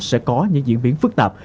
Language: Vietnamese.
sẽ có những diễn biến phức tạp